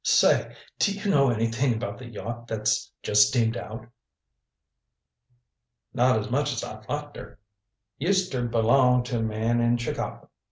"Say, do you know anything about the yacht that's just steamed out?" "Not as much as I'd like ter. Used ter belong to a man in Chicago.